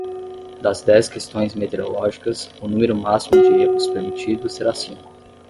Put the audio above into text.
Das dez questões meteorológicas, o número máximo de erros permitido será cinco.